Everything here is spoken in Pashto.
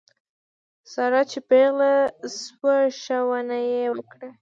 ساره چې پېغله شوه ښه ونه یې وکړه.